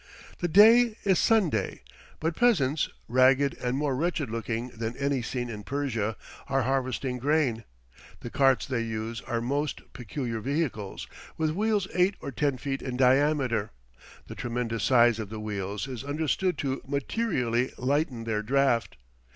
The day is Sunday, but peasants, ragged and more wretched looking than any seen in Persia, are harvesting grain. The carts they use are most peculiar vehicles, with wheels eight or ten feet in diameter. The tremendous size of the wheels is understood to materially lighten their draught.